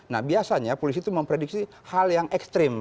nah biasanya polisi itu memprediksi hal yang ekstrim